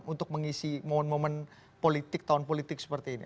untuk mengisi momen momen politik tahun politik seperti ini